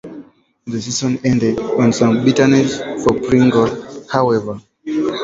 The season ended on some bitterness for Pringle, however.